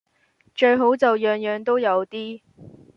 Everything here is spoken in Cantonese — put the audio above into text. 最好就樣樣都有啲